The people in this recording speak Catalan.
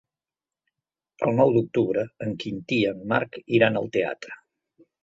El nou d'octubre en Quintí i en Marc iran al teatre.